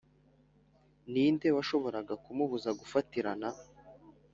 ninde washoboraga kumubuza gufatirana